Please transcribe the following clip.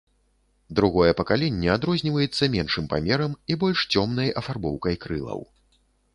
Другое пакаленне адрозніваецца меншым памерам і больш цёмнай афарбоўкай крылаў.